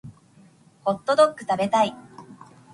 ホットドック食べたい